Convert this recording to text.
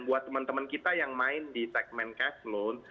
buat teman teman kita yang main di segmen cash loan